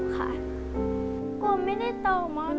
กลัวไม่ได้ต่อม๑